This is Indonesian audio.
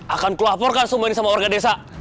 akan kulaporkan semua ini sama warga desa